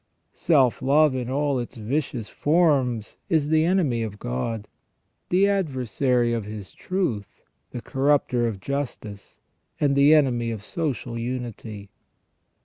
Self love in all its vicious forms is the enemy of God, the adversary of His truth, the corrupter of justice, and the enemy of social unity.